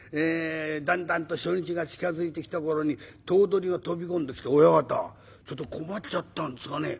だんだんと初日が近づいてきた頃に頭取が飛び込んできて「親方ちょっと困っちゃったんですがね。